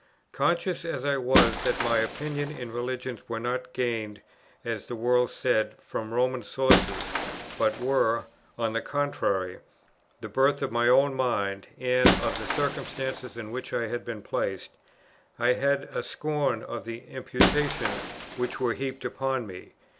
Conscious as I was that my opinions in religion were not gained, as the world said, from Roman sources, but were, on the contrary, the birth of my own mind and of the circumstances in which I had been placed, I had a scorn of the imputations which were heaped upon me.